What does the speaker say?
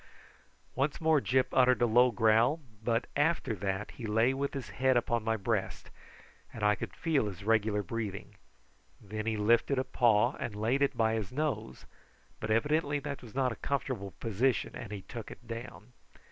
Once more Gyp uttered a low growl; but after that he lay with his head upon my breast, and I could feel his regular breathing. Then he lifted a paw and laid it by his nose, but evidently it was not a comfortable position, and he took it down.